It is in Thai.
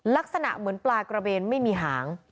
ลักษณะเหมือนปลากระเบนไม่มีหาง